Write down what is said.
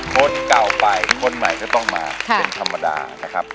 คนเก่าไปคนใหม่ก็ต้องมาเป็นธรรมดานะครับ